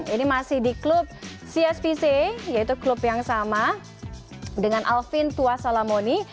ini masih di klub cspc yaitu klub yang sama dengan alvin tuasalamoni